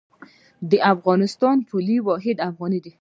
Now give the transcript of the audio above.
د افغانستان پولي واحد افغانۍ ده